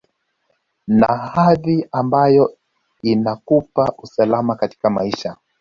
na hadhi ambayo inakupa usalama katika maisha